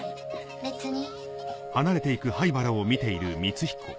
別に。